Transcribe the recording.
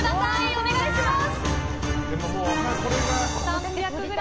お願いします。